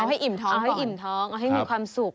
เอาให้อิ่มท้องก่อนเอาให้อิ่มท้องเอาให้มีความสุข